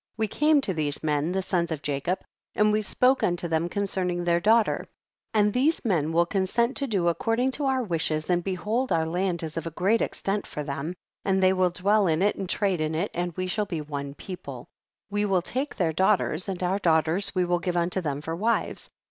We came to these men, the sons of Jacob, and we spoke unto them concerning their daughter, and these men will consent to do accord ing to our wishes, and behold our land is of great extent for them, and they will dwell in it, and trade in it, and we shall be one people ; we will take their daughters, and our daugh ters we will give unto them for wives.